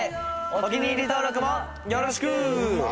お気に入り登録もよろしく！